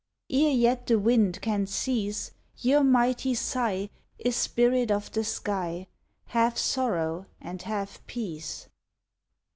Ere yet the wind can cease, Your mighty sigh Is spirit of the sky — Half sorrow and half peace.